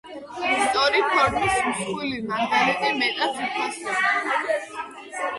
სწორი ფორმის მსხვილი მარგალიტი მეტად ძვირფასია.